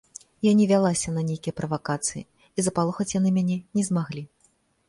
Я не вялася на нейкія правакацыі, і запалохаць яны мяне не змаглі.